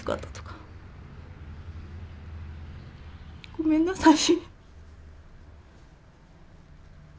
ごめんなさい。